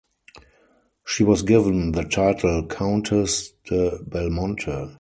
She was given the title Countess de Belmonte.